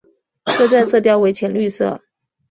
车站色调为浅绿色。